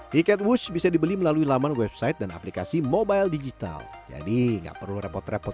tiket wush bisa dibeli melalui laman website dan aplikasi mobile digital jadi nggak perlu repot repot